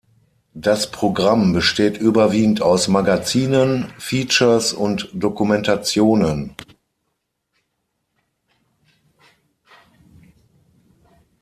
Das Programm besteht überwiegend aus Magazinen, Features und Dokumentationen.